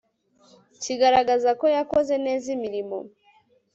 kigaragaza ko yakoze neza imirimo